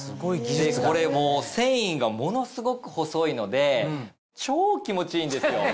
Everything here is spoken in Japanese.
これ繊維がものすごく細いので超気持ちいいんですよ。